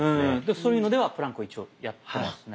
そういうのではプランクを一応やってますね。